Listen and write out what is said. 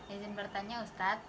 izin bertanya ustadz